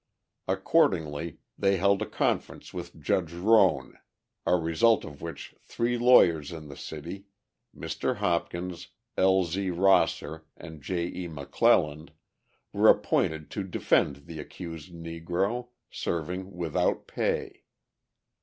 Accordingly, they held a conference with Judge Roan, as a result of which three lawyers in the city, Mr. Hopkins, L. Z. Rosser, and J. E. McClelland, were appointed to defend the accused Negro, serving without pay.